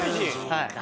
はい。